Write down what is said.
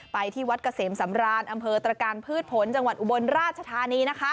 ไปที่วัดเกษมสำรานอำเภอตรการพืชผลจังหวัดอุบลราชธานีนะคะ